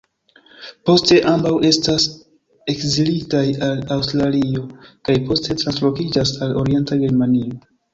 Poste, ambaŭ estas ekzilitaj al Aŭstralio, kaj poste translokiĝas al Orienta Germanio.